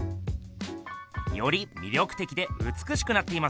より魅力的で美しくなっていませんか？